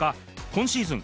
今シーズン